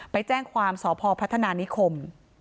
ไปแจ้งความสพพัฒนานิคม